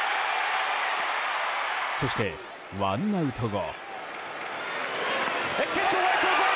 そしてワンアウト後。